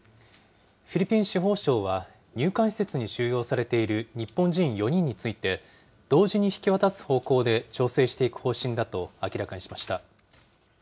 フィリピン司法省は、入管施設に収容されている日本人４人について、同時に引き渡す方向で調整していく方針だと明らかにしました。